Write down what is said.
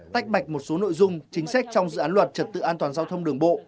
tách mạch một số nội dung chính sách trong dự án luật trật tự an toàn giao thông đường bộ